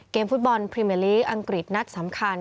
ฟุตบอลพรีเมอร์ลีกอังกฤษนัดสำคัญ